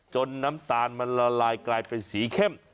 น้ำตาลมันละลายกลายเป็นสีเข้ม